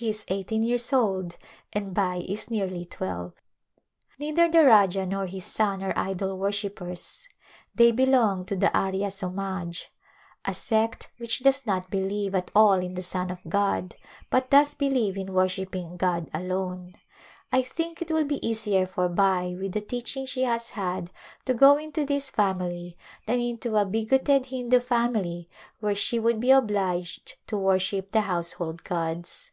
He is eighteen years old and Bai is nearly twelve. Neither the Rajah nor his son are idol worshippers. They belong to the Arya Somaj, a sect which does not believe at all in the Son of God, but does believe in worshipping God alone. I think It will be easier for Bai with the teaching she has had to go into this family than into a bigoted Hindu family where she would be obliged to worship the household gods.